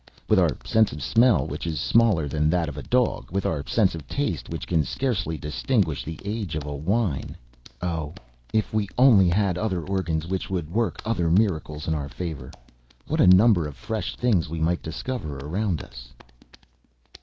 with our sense of smell which is smaller than that of a dog ... with our sense of taste which can scarcely distinguish the age of a wine! Oh! If we only had other organs which would work other miracles in our favour, what a number of fresh things we might discover around us!